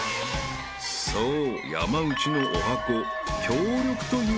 ［そう］